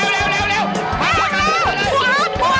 เร็ว